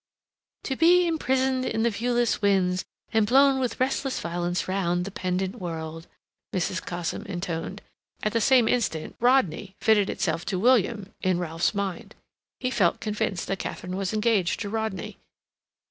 "To be imprison'd in the viewless winds, And blown with restless violence round about The pendant world...." Mrs. Cosham intoned; at the same instant "Rodney" fitted itself to "William" in Ralph's mind. He felt convinced that Katharine was engaged to Rodney.